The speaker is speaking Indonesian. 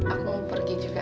aku pergi juga